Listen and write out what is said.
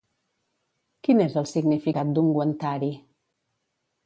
Quin és el significat d'ungüentari?